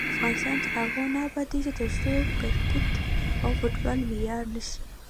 افغانستان تر هغو نه ابادیږي، ترڅو کرکټ او فوټبال معیاري نشي.